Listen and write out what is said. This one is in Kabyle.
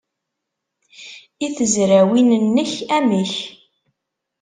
I tezrawin-nnek, amek?